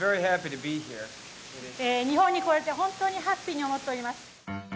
日本に来れて本当にハッピーに思っております。